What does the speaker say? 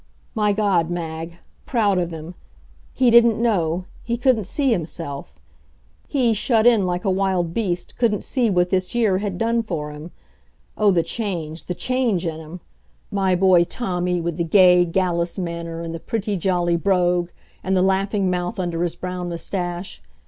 My God, Mag! Proud of him. He didn't know he couldn't see himself. He, shut in like a wild beast, couldn't see what this year has done for him. Oh, the change the change in him! My boy Tommy, with the gay, gallus manner, and the pretty, jolly brogue, and the laughing mouth under his brown mustache.